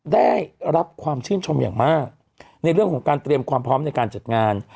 ได้รับความชื่นชมอย่างมากในเรื่องของการเตรียมความพร้อมในการจัดงาน